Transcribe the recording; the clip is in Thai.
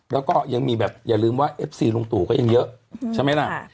แล้วก็ยังมีแบบอย่าลืมว่าเอฟซีลุงตู่ก็ยังเยอะใช่ไหมล่ะ